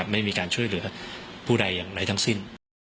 ไม่มีการช่วยเหลือผู้ใดอย่างไรทั้งสิ้น